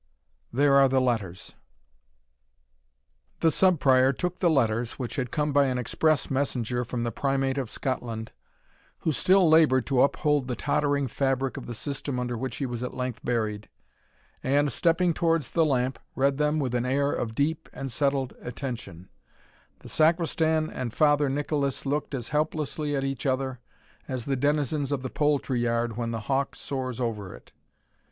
_ There are the letters." The Sub Prior took the letters, which had come by an express messenger from the Primate of Scotland, who still laboured to uphold the tottering fabric of the system under which he was at length buried, and, stepping towards the lamp, read them with an air of deep and settled attention the Sacristan and Father Nicholas looked as helplessly at each other, as the denizens of the poultry yard when the hawk soars over it.